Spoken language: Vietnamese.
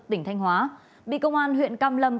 tỉnh thanh hóa bị công an huyện cam lâm